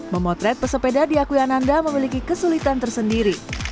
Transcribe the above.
memotret pesepeda diakui ananda memiliki kesulitan tersendiri